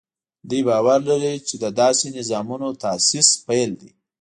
دوی باور لري چې داسې نظامونو تاسیس پیل دی.